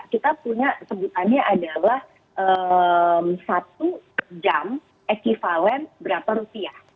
kita punya sebutannya adalah satu jam equivalen berapa rupiah